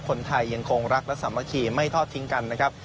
คนไทยยังคงรักและสามัคคีไม่ทอดทิ้งกันนะครับ